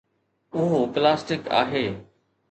اهو پلاسٽڪ آهي.